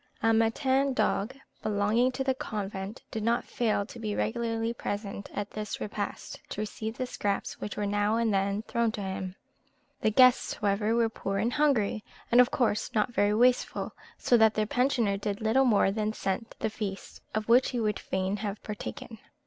A mâtin dog belonging to the convent did not fail to be regularly present at this repast, to receive the scraps which were now and then thrown to him. The guests, however, were poor and hungry, and of course not very wasteful, so that their pensioner did little more than scent the feast, of which he would fain have partaken.